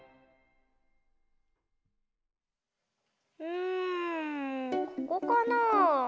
うんここかな？